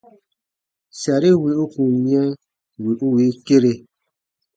Sari wì u kun yɛ̃ wì u wii kere.